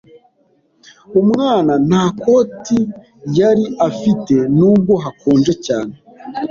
Umwana nta koti yari afite nubwo hakonje cyane.